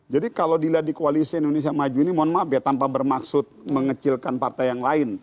jadi kalau dilihat di koalisi indonesia maju ini mohon maaf ya tanpa bermaksud mengecilkan partai yang lain